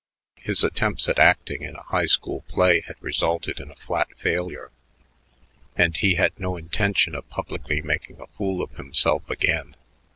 His attempts at acting in a high school play had resulted in a flat failure, and he had no intention of publicly making a fool of himself again.